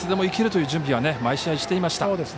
いつでもいけるという準備は毎試合していました。